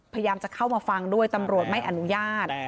พยายามจะเข้ามาฟังด้วยตำรวจไม่อนุญาต